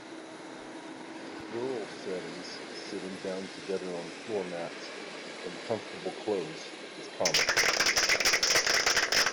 In rural settings, sitting down together on floor mats in comfortable clothes is common.